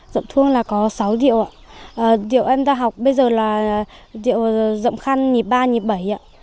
dậm thuông là có sáu điệu ạ điệu em ra học bây giờ là điệu dậm khăn nhịp ba nhịp bảy ạ